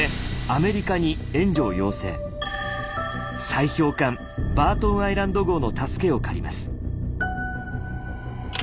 砕氷艦「バートンアイランド号」の助けを借ります。